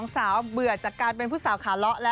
สาวเบื่อจากการเป็นผู้สาวขาเลาะแล้ว